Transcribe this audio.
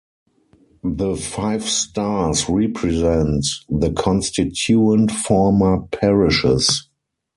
The five stars represent the constituent former parishes.